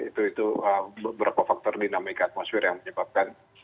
itu beberapa faktor dinamika atmosfer yang menyebabkan